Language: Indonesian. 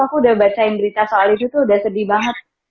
aku udah bacain berita soal itu tuh udah sedih banget